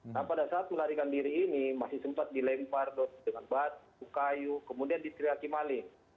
nah pada saat melarikan diri ini masih sempat dilempar dengan batu kayu kemudian diteriaki maling